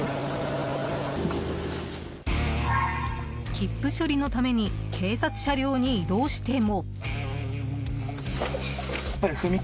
切符処理のために警察車両に移動しても。